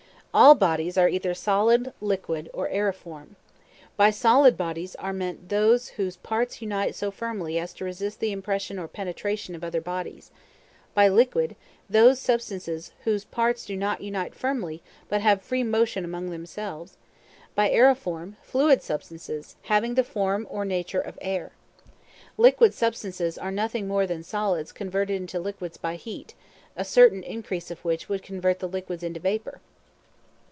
All bodies are either solid, liquid, or aeriform. By solid bodies are meant those whose parts unite so firmly as to resist the impression or penetration of other bodies; by liquid, those substances whose parts do not unite firmly, but have free motion among themselves; by aeriform, fluid substances, having the form or nature of air. Liquid substances are nothing more than solids converted into liquids by heat, a certain increase of which would convert the liquids into vapor.